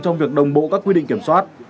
trong việc đồng bộ các quy định kiểm soát